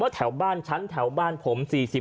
แถวบ้านฉันแถวบ้านผม๔๐